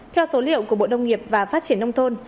theo số liệu của bộ nông nghiệp và phát triển nông thôn